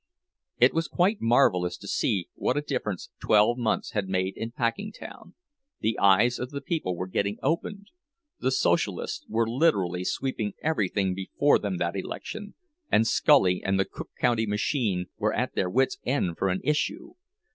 It was quite marvelous to see what a difference twelve months had made in Packingtown—the eyes of the people were getting opened! The Socialists were literally sweeping everything before them that election, and Scully and the Cook County machine were at their wits' end for an "issue."